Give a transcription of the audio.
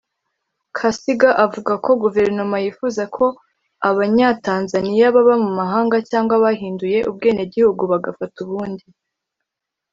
Kasiga avuga ko Guverinoma yifuza ko Abanyatanzaniya baba mu mahanga cyangwa abahinduye ubwenegihugu bagafata ubundi